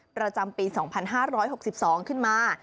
ประจำปี๒๕๖๒ขึ้นมา